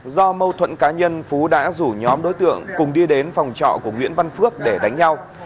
do mâu thuẫn cá nhân phú đã rủ nhóm đối tượng cùng đi đến phòng trọ của nguyễn văn phước để đánh nhau